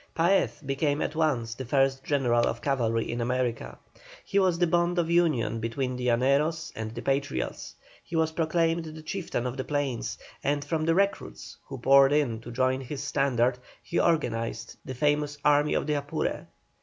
Paez became at once the first general of cavalry in America. He was the bond of union between the Llaneros and the Patriots. He was proclaimed the chieftain of the plains, and from the recruits who poured in to join his standard he organized the famous Army of the Apure.